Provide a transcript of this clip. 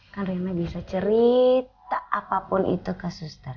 kan rima bisa cerita apapun itu ke suster